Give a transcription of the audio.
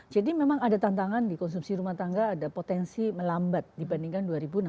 jadi memang ada tantangan di konsumsi rumah tangga ada potensi melambat dibandingkan dua ribu enam belas